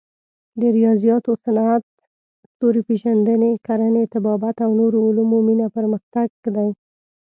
د ریاضیاتو، صنعت، ستوري پېژندنې، کرنې، طبابت او نورو علومو مینه پرمختګ دی.